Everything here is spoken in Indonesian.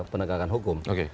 penegakan hukum oke